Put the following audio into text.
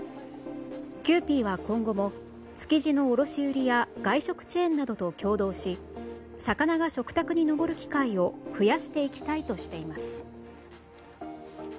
キユーピーは今後も築地の卸売りや外食チェーンなどと共同し魚が食卓に上る機会を増やしていきたいとしています。